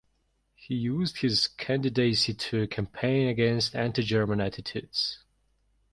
He used his candidacy to campaign against anti-German attitudes.